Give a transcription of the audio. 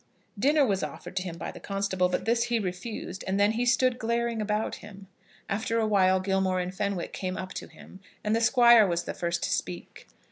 Dinner was offered to him by the constable, but this he refused, and then he stood glaring about him. After a while Gilmore and Fenwick came up to him, and the Squire was the first to speak.